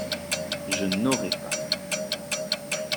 Je n’aurai pas.